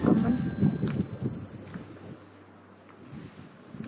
karena saya harus menggunakan masker